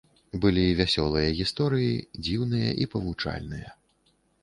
Былі вясёлыя гісторыі, дзіўныя і павучальныя.